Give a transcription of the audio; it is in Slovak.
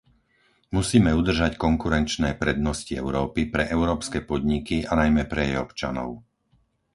Musíme udržať konkurenčné prednosti Európy pre európske podniky a najmä pre jej občanov.